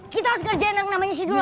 kita harus kerjaan yang namanya si dula